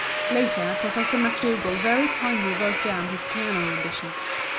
Later Professor Macdougall very kindly wrote down his piano rendition.